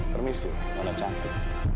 permisi mana cantik